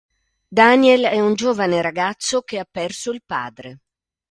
Daniel è un giovane ragazzo che ha perso il padre.